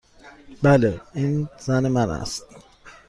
بله. این زن من است.